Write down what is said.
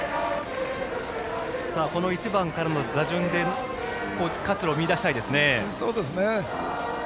この１番からの打順で活路を見いだしたいですね。